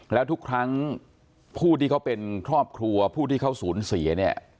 แล้วทุกครั้งผู้ที่เขาเป็นครอบครัวผู้ที่เขาสูญเสียเนี่ย